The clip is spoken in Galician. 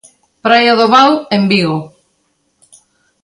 Praia do Vao, en Vigo.